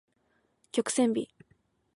曲線美